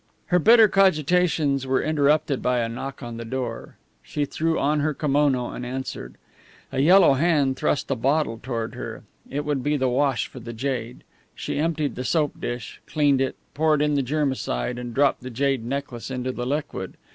Her bitter cogitations were interrupted by a knock on the door. She threw on her kimono and answered. A yellow hand thrust a bottle toward her. It would be the wash for the jade. She emptied the soap dish, cleaned it, poured in the germicide, and dropped the jade necklace into the liquid.